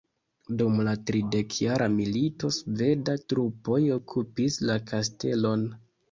Dum la tridekjara milito sveda trupoj okupis la kastelon.